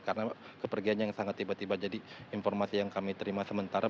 karena kepergiannya yang sangat tiba tiba jadi informasi yang kami terima sementara